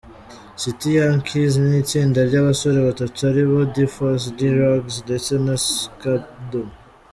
City Yankeez ni itsinda ry’abasore batatu aribo Diffas, Dee Rugs ndetse na Skpado.